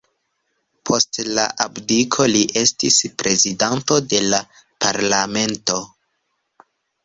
Post la abdiko li estis prezidanto de la parlamento.